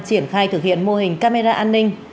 triển khai thực hiện mô hình camera an ninh